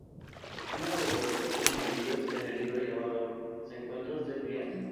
Uno de los relatos incluidos en el libro llamado "¿Se encuentra usted bien?